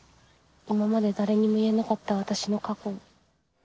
今まで誰にも言えなかった私の過去。